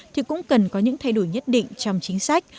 thì cũng cần có những thay đổi nhất định trong chính sách